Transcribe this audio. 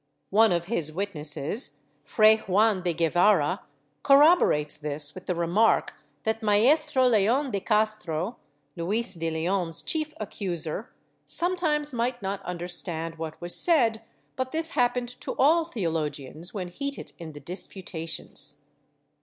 One of his witnesses, Fray Juan de Guevara, corroborates this with the re mark that Maestro Leon de Castro (Luis de Leon's chief accuser) sometimes might not understand what was said, but this hap pened to all theologians when heated in the disputations.